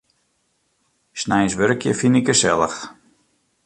Sneins wurkje fyn ik gesellich.